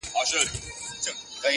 اراده د ستونزو له منځه لار جوړوي!.